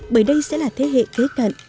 bởi đây sẽ là thế hệ kế cận